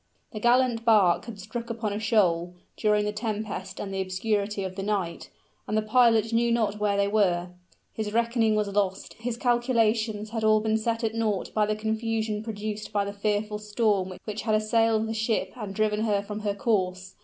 The gallant bark had struck upon a shoal, during the tempest and the obscurity of the night, and the pilot knew not where they were. His reckoning was lost his calculations had all been set at naught by the confusion produced by the fearful storm which had assailed the ship and driven her from her course.